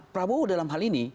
prabowo dalam hal ini